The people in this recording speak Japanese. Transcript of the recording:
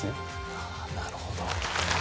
あぁなるほど。